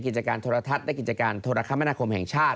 กิจการโทรทัศน์และกิจการโทรคมนาคมแห่งชาติ